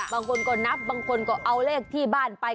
บางคนก็นับบางคนก็เอาเลขที่บ้านไป